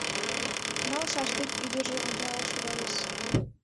Нал шашлык ӱдыржӧ ончалал шогалеш.